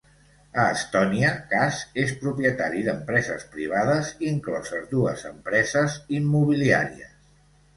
A Estònia, Kass és propietari d'empreses privades, incloses dues empreses immobiliàries.